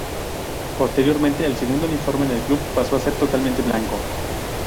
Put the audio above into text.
Posteriormente, el segundo uniforme del club pasó a ser totalmente blanco.